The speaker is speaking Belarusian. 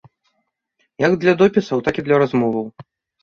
Як для допісаў, так і для размоваў.